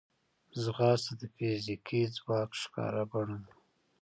ځغاسته د فزیکي ځواک ښکاره بڼه ده